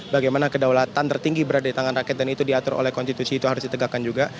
bagaimana kedaulatan tertinggi berada di tangan rakyat dan itu diatur oleh konstitusi itu harus ditegakkan juga